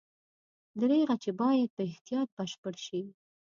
دریغه چې باید په احتیاط بشپړ شي.